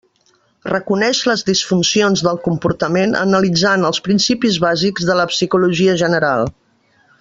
Reconeix les disfuncions del comportament analitzant els principis bàsics de psicologia general.